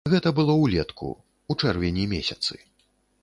Гэта было ўлетку, у чэрвені месяцы.